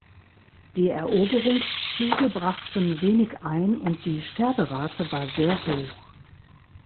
Die Eroberungszüge brachten wenig ein und die Sterberate war sehr hoch.